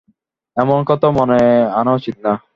এমন কথা মনেও আনা উচিত নয়।